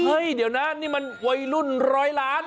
เฮ้ยเดี๋ยวนะนี่มันวัยรุ่นร้อยล้าน